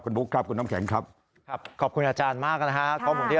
คุณบุ๊คครับคุณน้ำแข็งครับขอบคุณอาจารย์มากนะคะก็คงที่